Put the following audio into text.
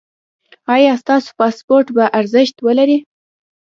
ایا ستاسو پاسپورت به ارزښت ولري؟